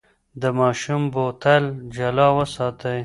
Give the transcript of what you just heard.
د ماشوم بوتل جلا وساتئ.